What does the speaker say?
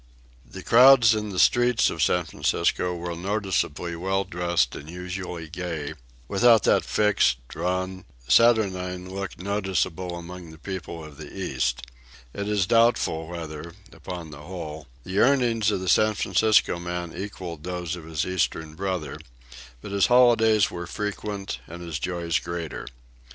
The crowds in the streets of San Francisco were noticeably well dressed and usually gay, without that fixed, drawn, saturnine look noticeable among the people of the East. It is doubtful whether, upon the whole, the earnings of the San Francisco man equaled those of his Eastern brother, but his holidays were frequent and his joys greater.